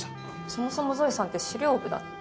そもそもゾエさんって資料部だった？